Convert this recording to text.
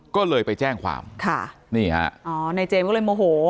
ก็เลยไปแจ้งความค่ะนี่ฮะอ๋อในเจมสก็เลยโมโห